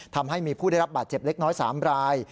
ทำให้มีผู้ได้รับบาดเจ็บเล็กน้อย๓ราย